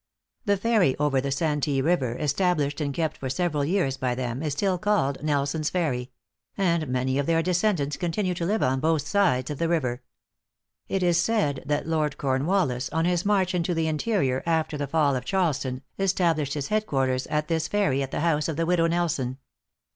The ferry over the Santee River, established and kept for several years by them, is still called Nelson's Ferry; and many of their descendants continue to live on both sides of the river. It is said that Lord Cornwallis, on his march into the interior, after the fall of Charleston, established his head quarters at this ferry, at the house of the widow Nelson.